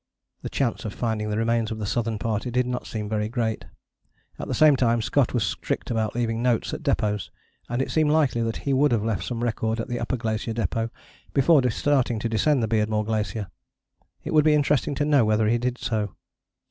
The chance of finding the remains of the Southern Party did not seem very great. At the same time Scott was strict about leaving notes at depôts, and it seemed likely that he would have left some record at the Upper Glacier Depôt before starting to descend the Beardmore Glacier: it would be interesting to know whether he did so.